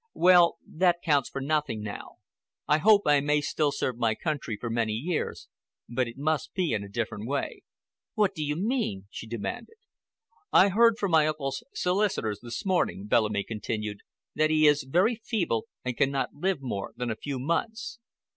"Well, that counts for nothing now. I hope I may still serve my country for many years, but it must be in a different way." "What do you mean?" she demanded. "I heard from my uncle's solicitors this morning," Bellamy continued, "that he is very feeble and cannot live more than a few months.